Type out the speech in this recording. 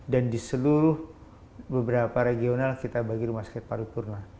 dan di seluruh beberapa regional kita bagi rumah sakit paripurna